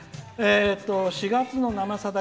「４月の「生さだ」